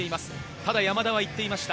ただ、山田は言っていました。